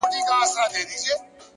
ریښتینی قوت د ځان کنټرول کې دی.!